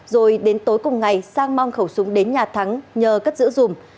rồi đến tối cùng ngày sang mang khẩu súng đến nhà thắng nhờ cất giữ dùm